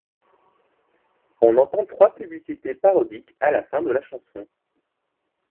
On entend trois publicités parodiques à la fin de la chanson.